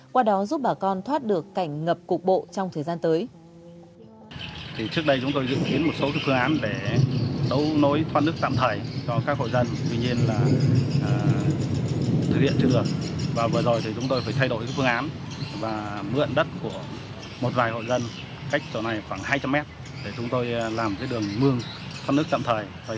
qua đó giúp bà con thoát được cảnh ngập cục bộ trong thời gian tới